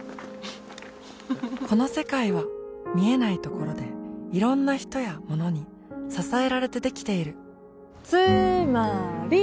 この世界は見えないところでいろんな人やものに支えられてできているつーまーり！